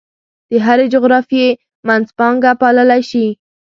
د هرې جغرافیې منځپانګه پاللی شي.